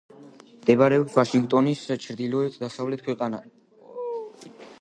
მდებარეობს ვაშინგტონის ჩრდილო-დასავლეთ ნაწილში.